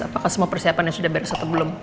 apakah semua persiapannya sudah beres atau belum